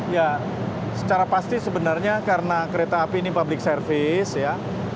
ya secara pasti sebenarnya karena kereta api ini public service ya